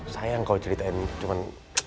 sayang kau ceritain cuman